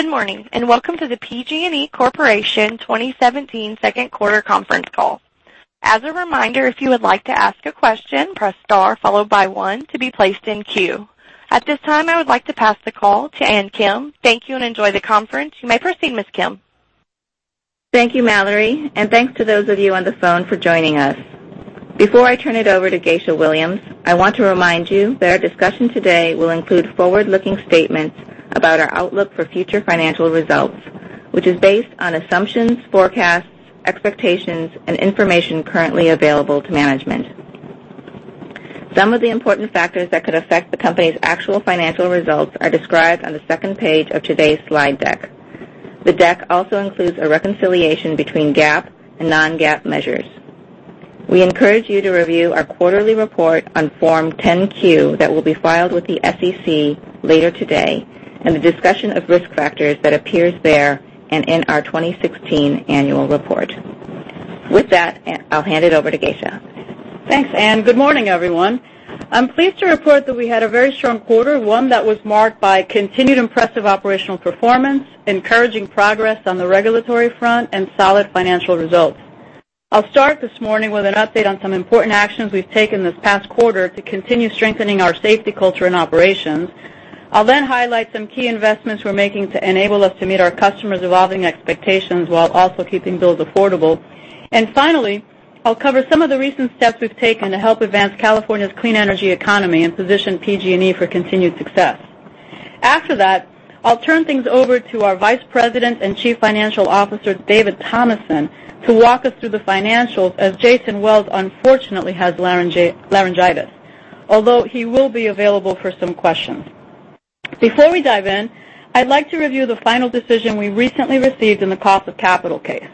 Good morning, welcome to the PG&E Corporation 2017 second quarter conference call. As a reminder, if you would like to ask a question, press star followed by one to be placed in queue. At this time, I would like to pass the call to Ann Kim. Thank you, enjoy the conference. You may proceed, Ms. Kim. Thank you, Mallory, thanks to those of you on the phone for joining us. Before I turn it over to Geisha Williams, I want to remind you that our discussion today will include forward-looking statements about our outlook for future financial results, which is based on assumptions, forecasts, expectations, and information currently available to management. Some of the important factors that could affect the company's actual financial results are described on the second page of today's slide deck. The deck also includes a reconciliation between GAAP and non-GAAP measures. We encourage you to review our quarterly report on Form 10-Q that will be filed with the SEC later today and the discussion of risk factors that appears there and in our 2016 annual report. With that, I'll hand it over to Geisha. Thanks, Ann. Good morning, everyone. I'm pleased to report that we had a very strong quarter, one that was marked by continued impressive operational performance, encouraging progress on the regulatory front, solid financial results. I'll start this morning with an update on some important actions we've taken this past quarter to continue strengthening our safety culture and operations. I'll then highlight some key investments we're making to enable us to meet our customers' evolving expectations while also keeping bills affordable. Finally, I'll cover some of the recent steps we've taken to help advance California's clean energy economy and position PG&E for continued success. After that, I'll turn things over to our Vice President and Chief Financial Officer, David Thomason, to walk us through the financials, as Jason Wells unfortunately has laryngitis. Although he will be available for some questions. Before we dive in, I'd like to review the final decision we recently received in the cost of capital case.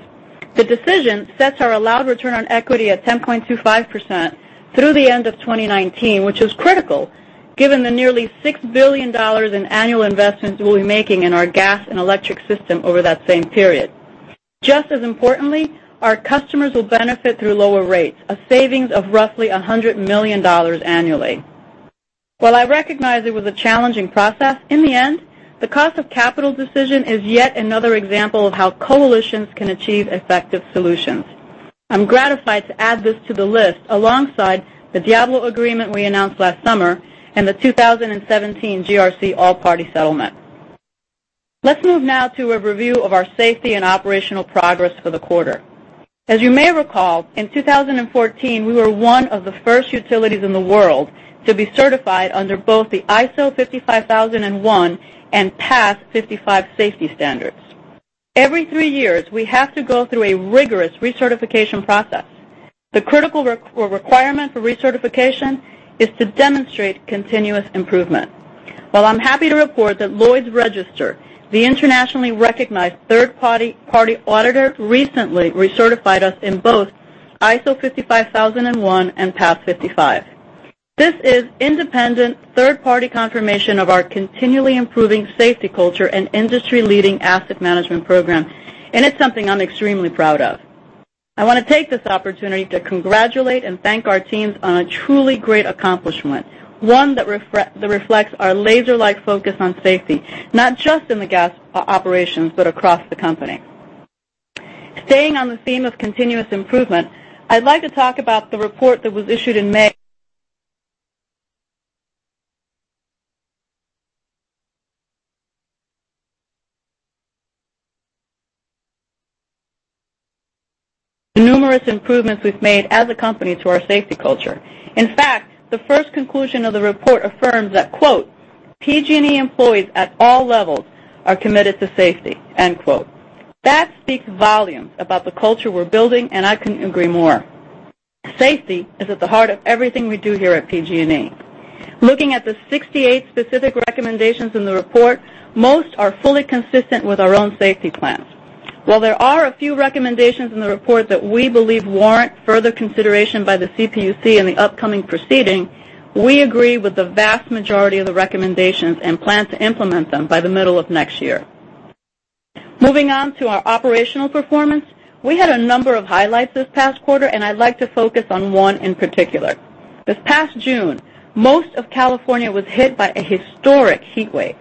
The decision sets our allowed return on equity at 10.25% through the end of 2019, which is critical given the nearly $6 billion in annual investments we'll be making in our gas and electric system over that same period. Just as importantly, our customers will benefit through lower rates, a savings of roughly $100 million annually. While I recognize it was a challenging process, in the end, the cost of capital decision is yet another example of how coalitions can achieve effective solutions. I'm gratified to add this to the list alongside the Diablo agreement we announced last summer the 2017 GRC all-party settlement. Let's move now to a review of our safety and operational progress for the quarter. As you may recall, in 2014, we were one of the first utilities in the world to be certified under both the ISO 55001 and PAS 55 safety standards. Every three years, we have to go through a rigorous recertification process. The critical requirement for recertification is to demonstrate continuous improvement. Well, I'm happy to report that Lloyd's Register, the internationally recognized third-party auditor, recently recertified us in both ISO 55001 and PAS 55. This is independent third-party confirmation of our continually improving safety culture and industry-leading asset management program, and it's something I'm extremely proud of. I want to take this opportunity to congratulate and thank our teams on a truly great accomplishment, one that reflects our laser-like focus on safety, not just in the gas operations, but across the company. Staying on the theme of continuous improvement, I'd like to talk about the report that was issued in May. The numerous improvements we've made as a company to our safety culture. In fact, the first conclusion of the report affirms that, quote, "PG&E employees at all levels are committed to safety," end quote. That speaks volumes about the culture we're building, and I couldn't agree more. Safety is at the heart of everything we do here at PG&E. Looking at the 68 specific recommendations in the report, most are fully consistent with our own safety plans. While there are a few recommendations in the report that we believe warrant further consideration by the CPUC in the upcoming proceeding, we agree with the vast majority of the recommendations and plan to implement them by the middle of next year. Moving on to our operational performance. We had a number of highlights this past quarter, I'd like to focus on one in particular. This past June, most of California was hit by a historic heat wave.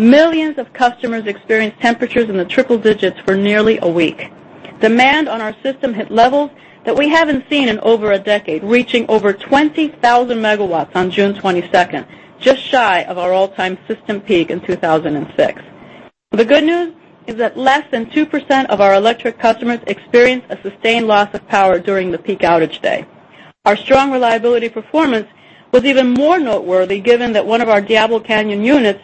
Millions of customers experienced temperatures in the triple digits for nearly a week. Demand on our system hit levels that we haven't seen in over a decade, reaching over 20,000 megawatts on June 22nd, just shy of our all-time system peak in 2006. The good news is that less than 2% of our electric customers experienced a sustained loss of power during the peak outage day. Our strong reliability performance was even more noteworthy given that one of our Diablo Canyon units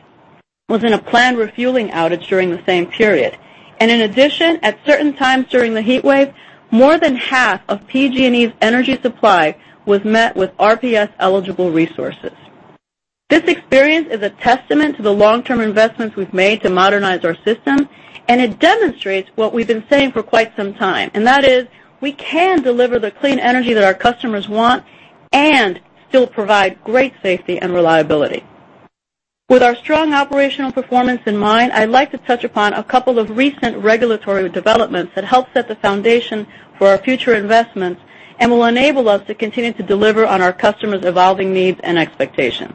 was in a planned refueling outage during the same period. In addition, at certain times during the heat wave, more than half of PG&E's energy supply was met with RPS-eligible resources. This experience is a testament to the long-term investments we've made to modernize our system, it demonstrates what we've been saying for quite some time, and that is we can deliver the clean energy that our customers want and still provide great safety and reliability. With our strong operational performance in mind, I'd like to touch upon a couple of recent regulatory developments that help set the foundation for our future investments and will enable us to continue to deliver on our customers' evolving needs and expectations.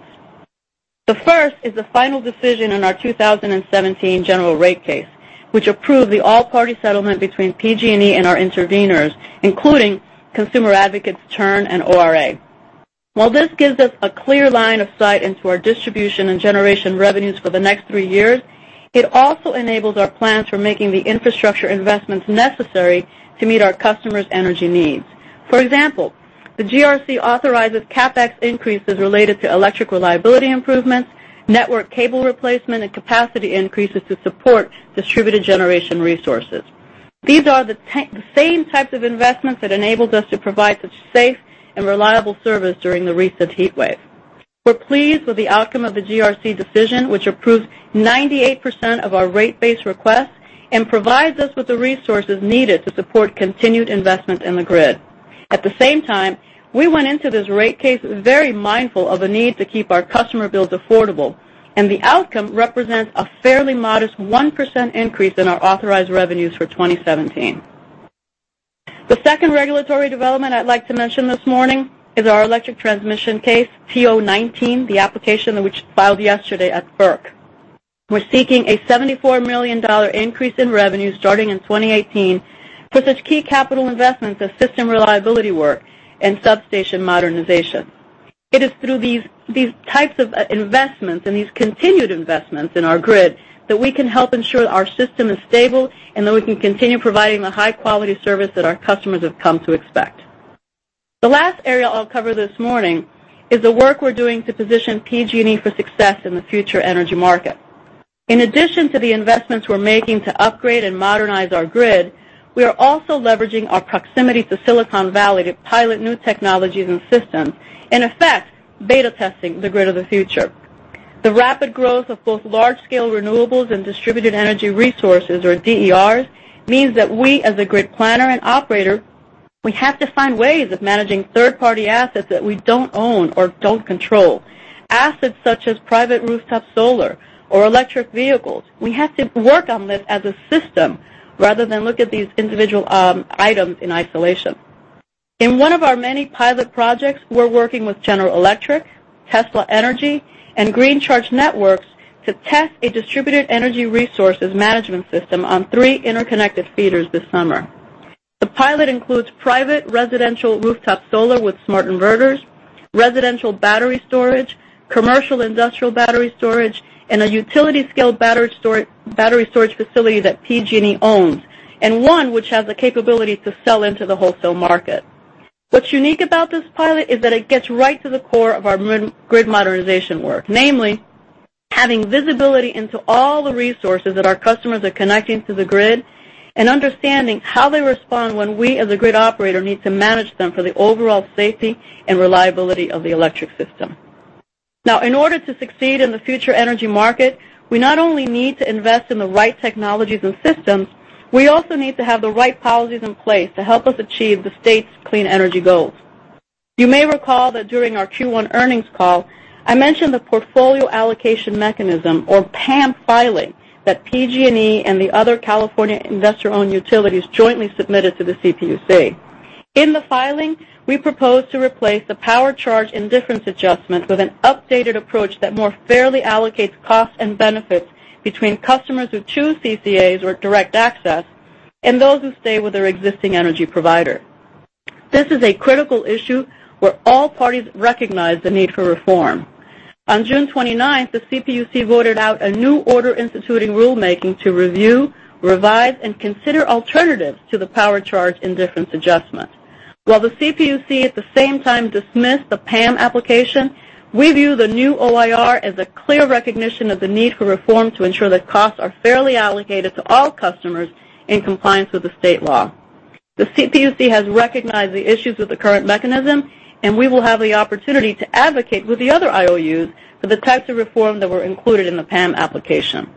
The first is the final decision on our 2017 general rate case, which approved the all-party settlement between PG&E and our interveners, including consumer advocates TURN and ORA. While this gives us a clear line of sight into our distribution and generation revenues for the next three years, it also enables our plans for making the infrastructure investments necessary to meet our customers' energy needs. For example, the GRC authorizes CapEx increases related to electric reliability improvements, network cable replacement, and capacity increases to support distributed generation resources. These are the same types of investments that enabled us to provide such safe and reliable service during the recent heat wave. We're pleased with the outcome of the GRC decision, which approves 98% of our rate base request and provides us with the resources needed to support continued investment in the grid. At the same time, we went into this rate case very mindful of a need to keep our customer bills affordable, the outcome represents a fairly modest 1% increase in our authorized revenues for 2017. The second regulatory development I'd like to mention this morning is our electric transmission case, TO19, the application which filed yesterday at FERC. We're seeking a $74 million increase in revenue starting in 2018 for such key capital investments as system reliability work and substation modernization. It is through these types of investments and these continued investments in our grid that we can help ensure our system is stable and that we can continue providing the high-quality service that our customers have come to expect. The last area I'll cover this morning is the work we're doing to position PG&E for success in the future energy market. In addition to the investments we're making to upgrade and modernize our grid, we are also leveraging our proximity to Silicon Valley to pilot new technologies and systems, in effect, beta testing the grid of the future. The rapid growth of both large-scale renewables and distributed energy resources, or DERs, means that we, as a grid planner and operator, have to find ways of managing third-party assets that we don't own or don't control. Assets such as private rooftop solar or electric vehicles. We have to work on this as a system rather than look at these individual items in isolation. In one of our many pilot projects, we're working with General Electric, Tesla Energy, and Green Charge Networks to test a distributed energy resources management system on three interconnected feeders this summer. The pilot includes private residential rooftop solar with smart inverters, residential battery storage, commercial industrial battery storage, and a utility-scale battery storage facility that PG&E owns, and one which has the capability to sell into the wholesale market. What's unique about this pilot is that it gets right to the core of our grid modernization work. Namely, having visibility into all the resources that our customers are connecting to the grid and understanding how they respond when we, as a grid operator, need to manage them for the overall safety and reliability of the electric system. In order to succeed in the future energy market, we not only need to invest in the right technologies and systems, we also need to have the right policies in place to help us achieve the state's clean energy goals. You may recall that during our Q1 earnings call, I mentioned the portfolio allocation mechanism, or PAM filing, that PG&E and the other California investor-owned utilities jointly submitted to the CPUC. In the filing, we proposed to replace the Power Charge Indifference Adjustment with an updated approach that more fairly allocates costs and benefits between customers who choose CCAs or Direct Access, and those who stay with their existing energy provider. This is a critical issue where all parties recognize the need for reform. On June 29th, the CPUC voted out a new Order Instituting Rulemaking to review, revise, and consider alternatives to the Power Charge Indifference Adjustment. While the CPUC at the same time dismissed the PAM application, we view the new OIR as a clear recognition of the need for reform to ensure that costs are fairly allocated to all customers in compliance with the state law. The CPUC has recognized the issues with the current mechanism. We will have the opportunity to advocate with the other IOUs for the types of reform that were included in the PAM application.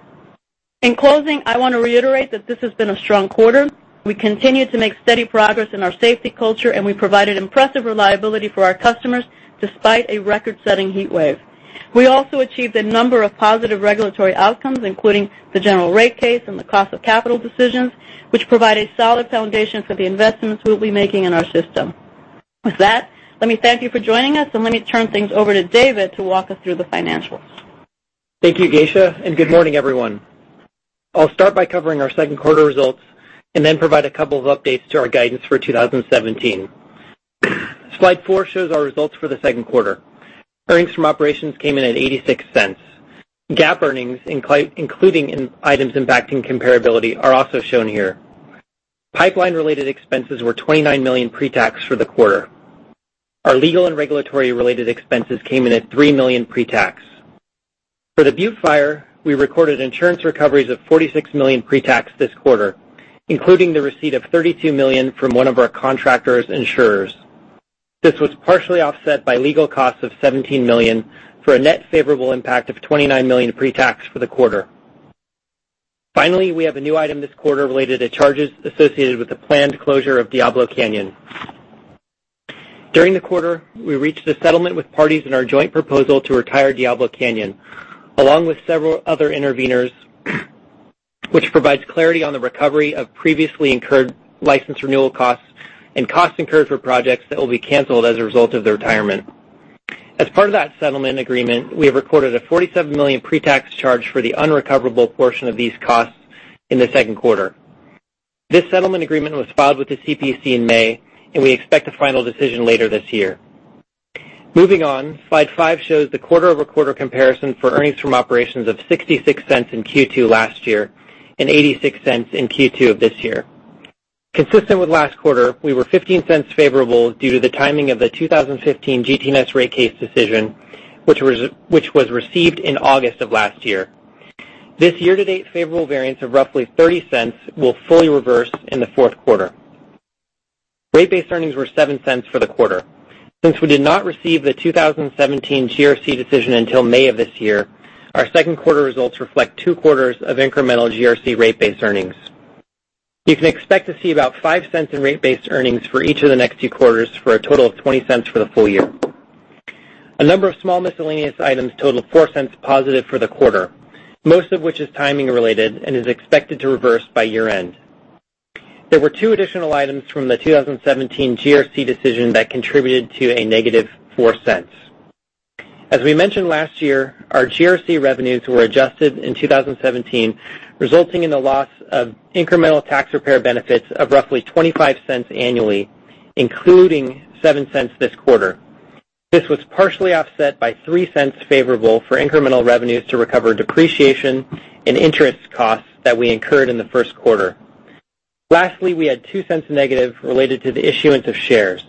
In closing, I want to reiterate that this has been a strong quarter. We continue to make steady progress in our safety culture, and we provided impressive reliability for our customers, despite a record-setting heat wave. We also achieved a number of positive regulatory outcomes, including the General Rate Case and the cost of capital decisions, which provide a solid foundation for the investments we'll be making in our system. With that, let me thank you for joining us, and let me turn things over to David to walk us through the financials. Thank you, Geisha, and good morning, everyone. I'll start by covering our second quarter results and then provide a couple of updates to our guidance for 2017. Slide four shows our results for the second quarter. Earnings from operations came in at $0.86. GAAP earnings, including items impacting comparability, are also shown here. Pipeline-related expenses were $29 million pre-tax for the quarter. Our legal and regulatory-related expenses came in at $3 million pre-tax. For the Butte Fire, we recorded insurance recoveries of $46 million pre-tax this quarter, including the receipt of $32 million from one of our contractors' insurers. This was partially offset by legal costs of $17 million for a net favorable impact of $29 million pre-tax for the quarter. Finally, we have a new item this quarter related to charges associated with the planned closure of Diablo Canyon. During the quarter, we reached a settlement with parties in our joint proposal to retire Diablo Canyon, along with several other intervenors which provides clarity on the recovery of previously incurred license renewal costs and costs incurred for projects that will be canceled as a result of the retirement. As part of that settlement agreement, we have recorded a $47 million pre-tax charge for the unrecoverable portion of these costs in the second quarter. This settlement agreement was filed with the CPUC in May, and we expect a final decision later this year. Moving on, Slide five shows the quarter-over-quarter comparison for earnings from operations of $0.66 in Q2 last year and $0.86 in Q2 of this year. Consistent with last quarter, we were $0.15 favorable due to the timing of the 2015 GT&S rate case decision, which was received in August of last year. This year-to-date favorable variance of roughly $0.30 will fully reverse in the fourth quarter. Rate base earnings were $0.07 for the quarter. Since we did not receive the 2017 GRC decision until May of this year, our second quarter results reflect two quarters of incremental GRC rate base earnings. You can expect to see about $0.05 in rate base earnings for each of the next two quarters for a total of $0.20 for the full year. A number of small miscellaneous items total $0.04 positive for the quarter, most of which is timing related and is expected to reverse by year-end. There were two additional items from the 2017 GRC decision that contributed to a negative $0.04. As we mentioned last year, our GRC revenues were adjusted in 2017, resulting in the loss of incremental tax repair benefits of roughly $0.25 annually, including $0.07 this quarter. This was partially offset by $0.03 favorable for incremental revenues to recover depreciation and interest costs that we incurred in the first quarter. Lastly, we had $0.02 negative related to the issuance of shares.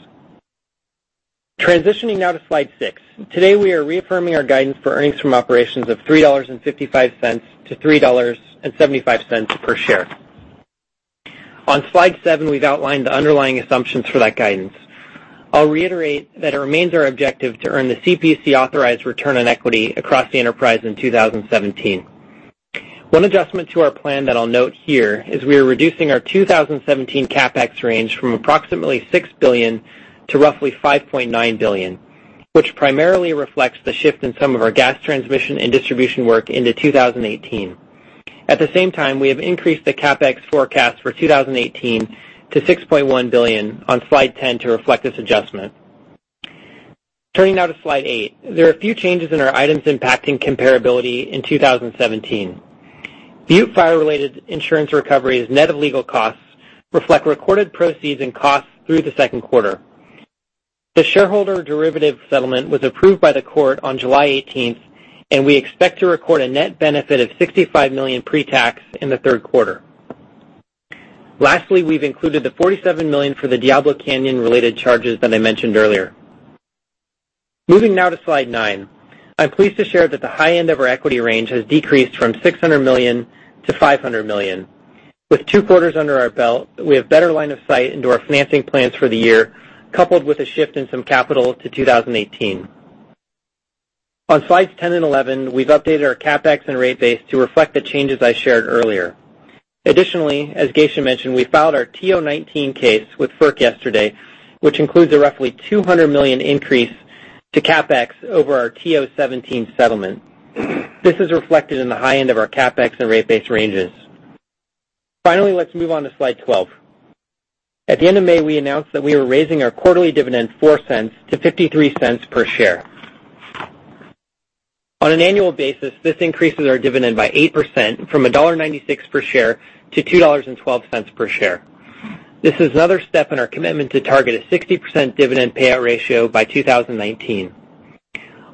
Transitioning now to slide six. Today, we are reaffirming our guidance for earnings from operations of $3.55-$3.75 per share. On slide seven, we've outlined the underlying assumptions for that guidance. I'll reiterate that it remains our objective to earn the CPUC-authorized return on equity across the enterprise in 2017. One adjustment to our plan that I'll note here is we are reducing our 2017 CapEx range from approximately $6 billion-$5.9 billion, which primarily reflects the shift in some of our gas transmission and distribution work into 2018. At the same time, we have increased the CapEx forecast for 2018 to $6.1 billion on slide 10 to reflect this adjustment. Turning now to slide eight. There are a few changes in our items impacting comparability in 2017. Butte Fire-related insurance recoveries net of legal costs reflect recorded proceeds and costs through the second quarter. The shareholder derivative settlement was approved by the court on July 18th, and we expect to record a net benefit of $65 million pre-tax in the third quarter. Lastly, we've included the $47 million for the Diablo Canyon-related charges that I mentioned earlier. Moving now to slide nine. I'm pleased to share that the high end of our equity range has decreased from $600 million-$500 million. With two quarters under our belt, we have better line of sight into our financing plans for the year, coupled with a shift in some capital to 2018. On slides 10 and 11, we've updated our CapEx and rate base to reflect the changes I shared earlier. Additionally, as Geisha mentioned, we filed our TO19 case with FERC yesterday, which includes a roughly $200 million increase to CapEx over our TO17 settlement. This is reflected in the high end of our CapEx and rate base ranges. Finally, let's move on to slide 12. At the end of May, we announced that we are raising our quarterly dividend $0.04 to $0.53 per share. On an annual basis, this increases our dividend by 8% from $1.96 per share to $2.12 per share. This is another step in our commitment to target a 60% dividend payout ratio by 2019.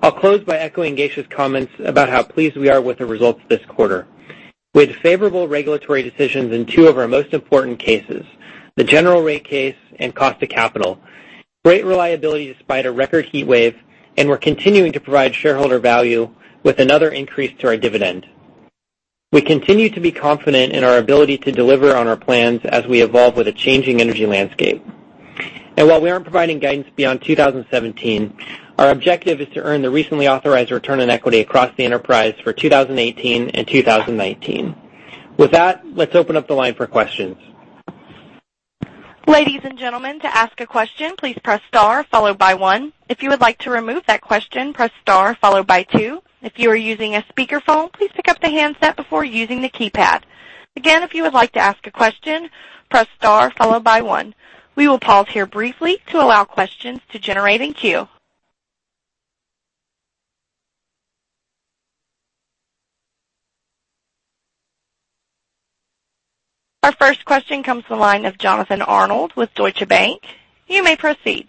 I'll close by echoing Geisha's comments about how pleased we are with the results this quarter. We had favorable regulatory decisions in two of our most important cases, the general rate case and cost of capital. Great reliability despite a record heat wave, we're continuing to provide shareholder value with another increase to our dividend. We continue to be confident in our ability to deliver on our plans as we evolve with a changing energy landscape. While we aren't providing guidance beyond 2017, our objective is to earn the recently authorized return on equity across the enterprise for 2018 and 2019. With that, let's open up the line for questions. Ladies and gentlemen, to ask a question, please press star followed by one. If you would like to remove that question, press star followed by two. If you are using a speakerphone, please pick up the handset before using the keypad. Again, if you would like to ask a question, press star followed by one. We will pause here briefly to allow questions to generate in queue. Our first question comes from the line of Jonathan Arnold with Deutsche Bank. You may proceed.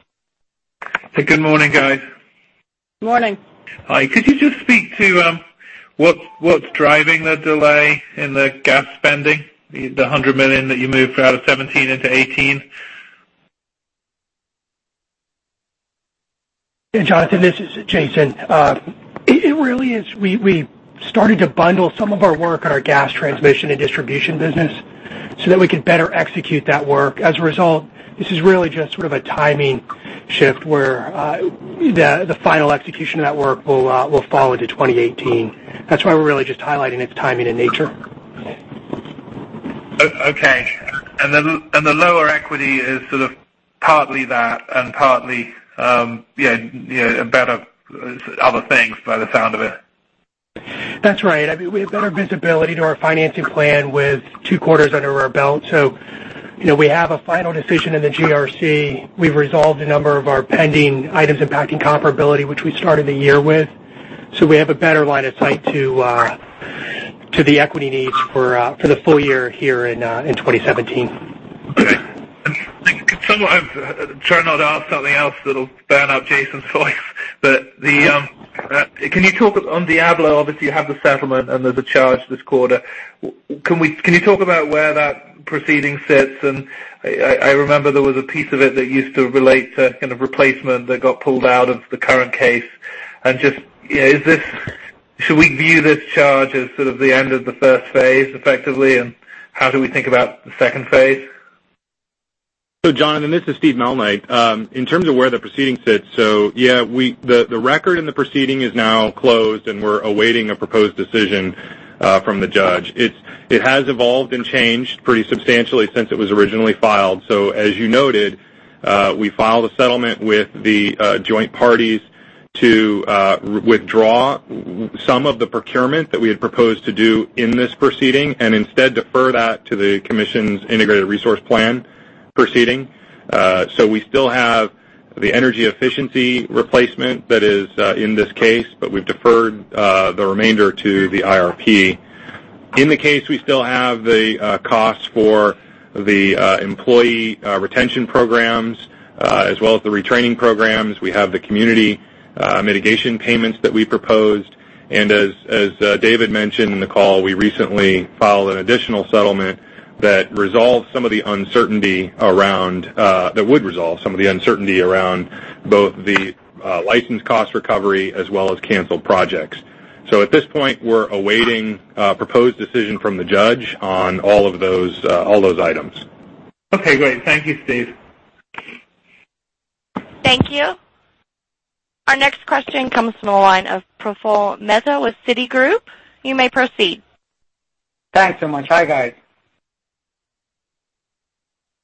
Good morning, guys. Morning. Hi. Could you just speak to what's driving the delay in the gas spending, the $100 million that you moved out of 2017 into 2018? Hey, Jonathan. This is Jason. We started to bundle some of our work on our gas transmission and distribution business so that we could better execute that work. As a result, this is really just sort of a timing shift where the final execution of that work will fall into 2018. That's why we're really just highlighting its timing in nature. The lower equity is sort of partly that and partly better other things by the sound of it. That's right. We've got our visibility to our financing plan with two quarters under our belt. We have a final decision in the GRC. We've resolved a number of our pending items impacting comparability, which we started the year with. We have a better line of sight to the equity needs for the full year here in 2017. Okay. I'm trying not to ask something else that'll burn up Jason's voice. Can you talk on Diablo, obviously, you have the settlement and there's a charge this quarter. Can you talk about where that proceeding sits? I remember there was a piece of it that used to relate to kind of replacement that got pulled out of the current case and just should we view this charge as sort of the end of the first phase effectively, and how do we think about the second phase? John, and this is Steve Malnight. In terms of where the proceeding sits, the record in the proceeding is now closed, we're awaiting a proposed decision from the judge. It has evolved and changed pretty substantially since it was originally filed. As you noted, we filed a settlement with the joint parties to withdraw some of the procurement that we had proposed to do in this proceeding and instead defer that to the commission's Integrated Resource Plan proceeding. We still have the energy efficiency replacement that is in this case, but we've deferred the remainder to the IRP. In the case, we still have the cost for the employee retention programs, as well as the retraining programs. We have the community mitigation payments that we proposed. As David mentioned in the call, we recently filed an additional settlement that would resolve some of the uncertainty around both the license cost recovery as well as canceled projects. At this point, we're awaiting a proposed decision from the judge on all those items. Okay, great. Thank you, Steve. Thank you. Our next question comes from the line of Praful Mehta with Citigroup. You may proceed. Thanks so much. Hi, guys.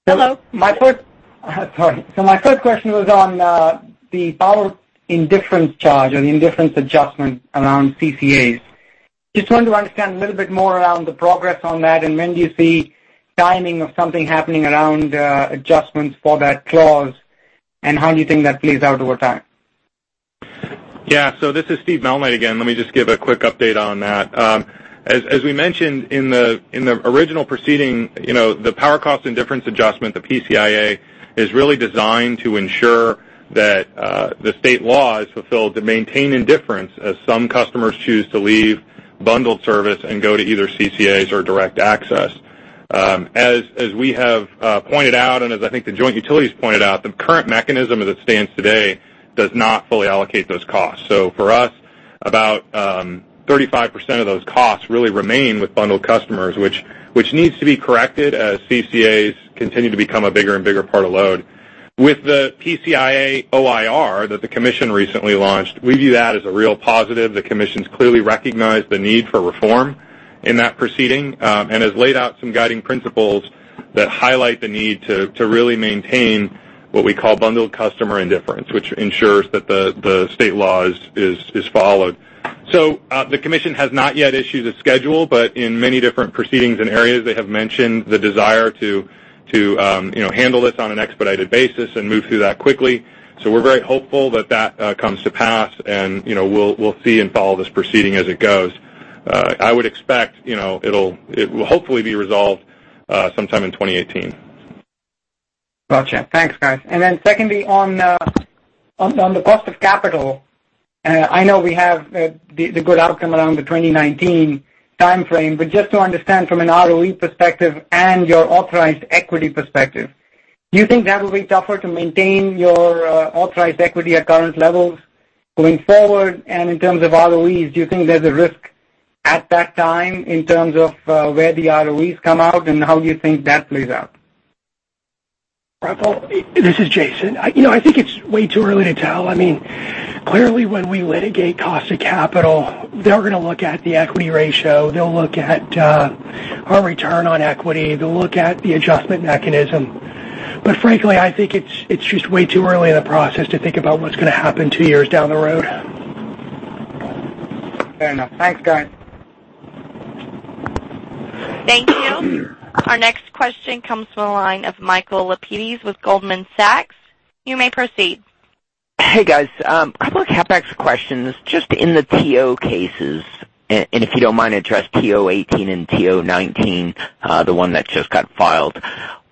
Hello. Sorry. My first question was on the power indifference charge or the indifference adjustment around CCAs. Just wanted to understand a little bit more around the progress on that, and when do you see timing of something happening around adjustments for that clause, and how do you think that plays out over time? This is Steve Malnight again. Let me just give a quick update on that. As we mentioned in the original proceeding, the Power Cost Indifference Adjustment, the PCIA, is really designed to ensure that the state law is fulfilled to maintain indifference as some customers choose to leave bundled service and go to either CCAs or Direct Access. As we have pointed out and as I think the joint utilities pointed out, the current mechanism as it stands today does not fully allocate those costs. For us, about 35% of those costs really remain with bundled customers, which needs to be corrected as CCAs continue to become a bigger and bigger part of load. With the PCIA OIR that the commission recently launched, we view that as a real positive. The commission's clearly recognized the need for reform in that proceeding, and has laid out some guiding principles that highlight the need to really maintain what we call bundled customer indifference, which ensures that the state law is followed. The commission has not yet issued a schedule, but in many different proceedings and areas, they have mentioned the desire to handle this on an expedited basis and move through that quickly. We're very hopeful that that comes to pass, and we'll see and follow this proceeding as it goes. I would expect it will hopefully be resolved sometime in 2018. Gotcha. Thanks, guys. Secondly, on the cost of capital, I know we have the good outcome around the 2019 timeframe, but just to understand from an ROE perspective and your authorized equity perspective, do you think that will be tougher to maintain your authorized equity at current levels going forward? In terms of ROEs, do you think there's a risk at that time in terms of where the ROEs come out, and how do you think that plays out? Praful, this is Jason. I think it's way too early to tell. Clearly when we litigate cost of capital, they're going to look at the equity ratio. They'll look at our return on equity. They'll look at the adjustment mechanism. Frankly, I think it's just way too early in the process to think about what's going to happen two years down the road. Fair enough. Thanks, guys. Thank you. Our next question comes from the line of Michael Lapides with Goldman Sachs. You may proceed. Hey, guys. A couple of CapEx questions. Just in the TO cases, if you don't mind, address TO18 and TO19, the one that just got filed.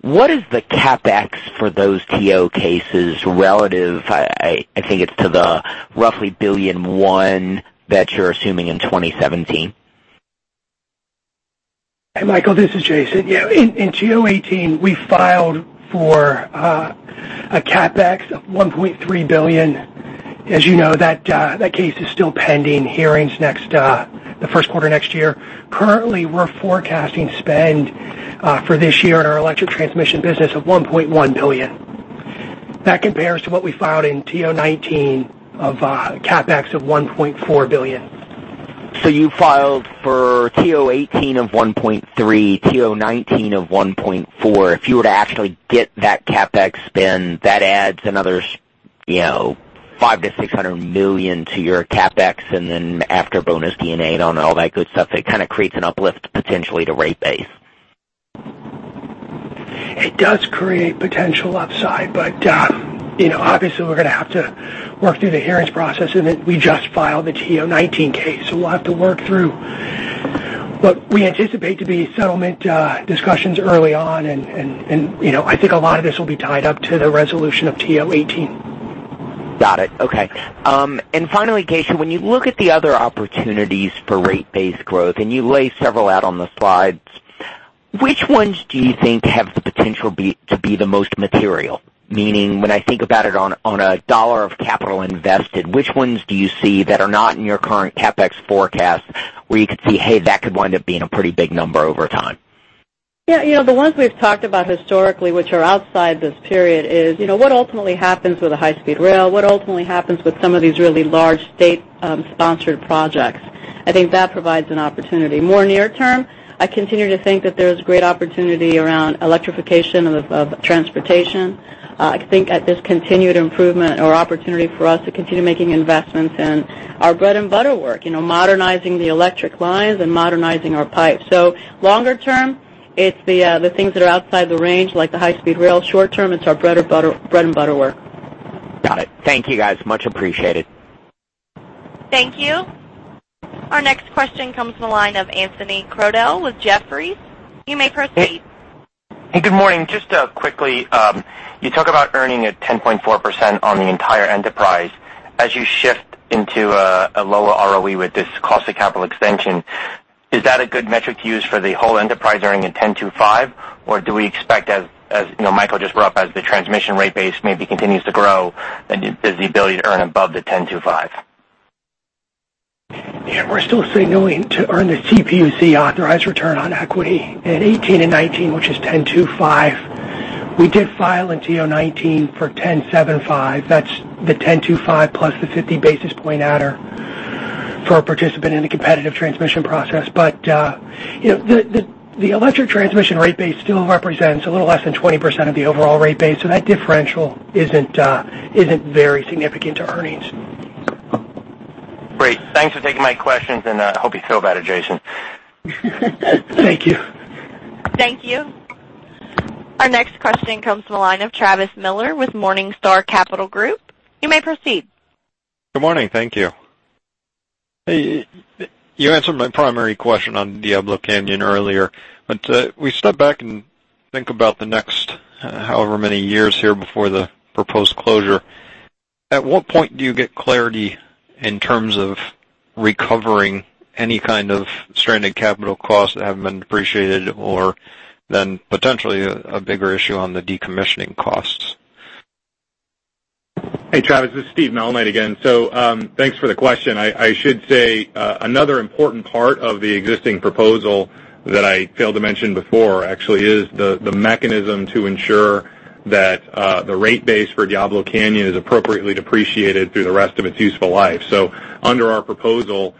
What is the CapEx for those TO cases relative, I think it's to the roughly $ billion one that you're assuming in 2017? Hey, Michael, this is Jason. In TO 18, we filed for a CapEx of $1.3 billion. As you know, that case is still pending hearings the first quarter next year. Currently, we're forecasting spend for this year in our electric transmission business of $1.1 billion. That compares to what we filed in TO19 of CapEx of $1.4 billion. You filed for TO18 of $1.3, TO19 of $1.4. If you were to actually get that CapEx spend, that adds another $500 million-$600 million to your CapEx, and then after bonus D&A and all that good stuff, it kind of creates an uplift potentially to rate base. It does create potential upside. Obviously, we're going to have to work through the hearings process, and then we just filed the TO19 case. We'll have to work through what we anticipate to be settlement discussions early on, and I think a lot of this will be tied up to the resolution of TO18. Got it. Okay. Finally, Geisha, when you look at the other opportunities for rate-based growth, and you lay several out on the slides, which ones do you think have the potential to be the most material? Meaning, when I think about it on a $1 of capital invested, which ones do you see that are not in your current CapEx forecast where you could see, hey, that could wind up being a pretty big number over time? Yeah. The ones we've talked about historically, which are outside this period, is what ultimately happens with a high-speed rail? What ultimately happens with some of these really large state-sponsored projects? I think that provides an opportunity. More near term, I continue to think that there's great opportunity around electrification of transportation. I think at this continued improvement or opportunity for us to continue making investments in our bread-and-butter work, modernizing the electric lines and modernizing our pipes. Longer term, it's the things that are outside the range, like the high-speed rail. Short term, it's our bread-and-butter work. Got it. Thank you, guys. Much appreciated. Thank you. Our next question comes from the line of Anthony Crowdell with Jefferies. You may proceed. Hey, good morning. Just quickly, you talk about earning a 10.4% on the entire enterprise as you shift into a lower ROE with this cost of capital extension. Is that a good metric to use for the whole enterprise earning a 10.25%? Or do we expect as Michael just brought up, as the transmission rate base maybe continues to grow, there's the ability to earn above the 10.25%? We're still signaling to earn the CPUC authorized return on equity in 2018 and 2019, which is 10.25%. We did file in TO19 for 10.75%. That's the 10.25% plus the 50 basis point adder for a participant in the competitive transmission process. The electric transmission rate base still represents a little less than 20% of the overall rate base. That differential isn't very significant to earnings. Great. Thanks for taking my questions. I hope you feel better, Jason. Thank you. Thank you. Our next question comes from the line of Travis Miller with Morningstar. You may proceed. Good morning. Thank you. Hey, you answered my primary question on Diablo Canyon earlier, but we step back and think about the next however many years here before the proposed closure. At what point do you get clarity in terms of recovering any kind of stranded capital costs that haven't been depreciated or then potentially a bigger issue on the decommissioning costs? Hey, Travis, this is Steve Malnight again. Thanks for the question. I should say, another important part of the existing proposal that I failed to mention before actually is the mechanism to ensure that the rate base for Diablo Canyon is appropriately depreciated through the rest of its useful life. Under our proposal,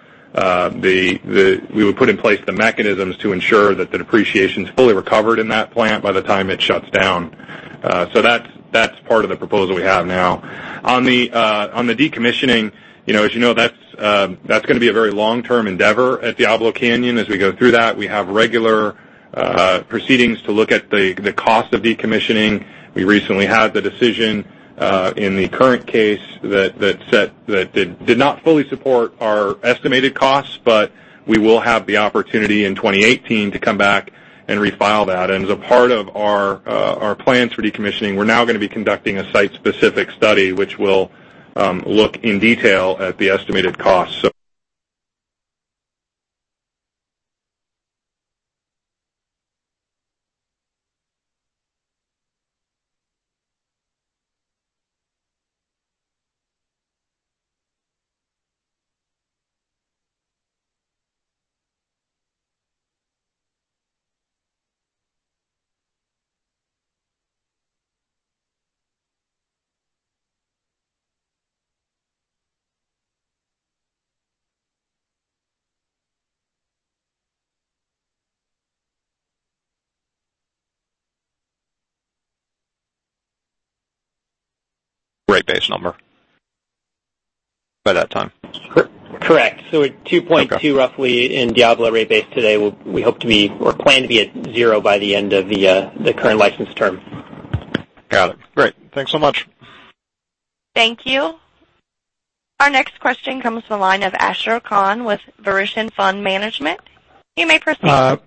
we would put in place the mechanisms to ensure that the depreciation is fully recovered in that plant by the time it shuts down. That's part of the proposal we have now. On the decommissioning, as you know, that's going to be a very long-term endeavor at Diablo Canyon. As we go through that, we have regular proceedings to look at the cost of decommissioning. We recently had the decision, in the current case that did not fully support our estimated costs, but we will have the opportunity in 2018 to come back and refile that. As a part of our plans for decommissioning, we're now going to be conducting a site-specific study which will look in detail at the estimated cost rate base number by that time. Correct. At $2.2 roughly in Diablo rate base today, we hope to be or plan to be at zero by the end of the current license term. Got it. Great. Thanks so much. Thank you. Our next question comes from the line of Ashar Khan with Verition Fund Management. You may proceed.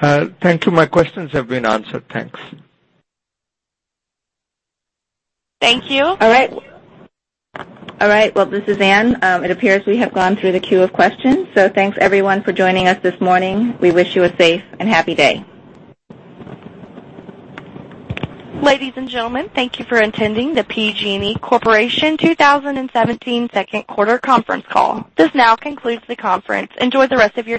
Thank you. My questions have been answered. Thanks. Thank you. All right. Well, this is Ann. It appears we have gone through the queue of questions. Thanks, everyone, for joining us this morning. We wish you a safe and happy day. Ladies and gentlemen, thank you for attending the PG&E Corporation 2017 second quarter conference call. This now concludes the conference. Enjoy the rest of your day.